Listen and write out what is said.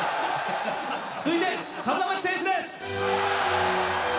続いて風巻選手です！